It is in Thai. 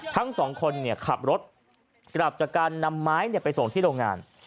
ทั้งสองคนขับรถกลับจากการนำไม้ไปส่งที่โรงงาน